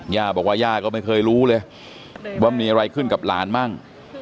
ย่าบอกว่าย่าก็ไม่เคยรู้เลยว่ามีอะไรขึ้นกับหลานมั่ง